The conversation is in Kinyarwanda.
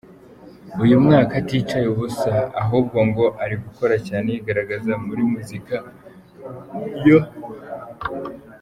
uyu mwaka aticaye ubusa ahubwo ngo ari gukora cyane yigaragaza muri muzika yo.